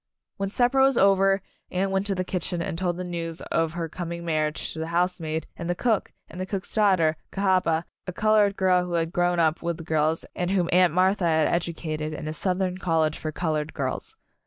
When supper was over, Anne went to the kitchen and told the news of her com ing marriage to the housemaid and the cook, and the cook's daughter, Cahaba, a colored girl who had grown up with the girls and whom Aunt Martha had ed ucated in a Southern college for colored girls.